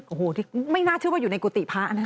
โอ้โหที่ไม่น่าเชื่อว่าอยู่ในกุฏิพระนะคะ